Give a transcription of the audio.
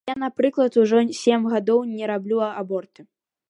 Я, напрыклад, ужо сем гадоў не раблю аборты.